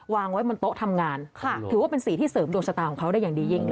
วางไว้บนโต๊ะทำงานถือว่าเป็นสีที่เสริมดวงชะตาของเขาได้อย่างดียิ่งเลย